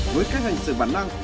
tôi không biết